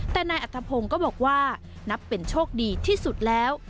แต่นายอัธพงศ์ก็บอกว่านับเป็นโชคดีที่สุดแล้ว